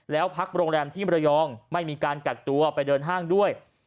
แล้วพักโรงแรมที่มรยองไม่มีการกักตัวไปเดินห้างด้วย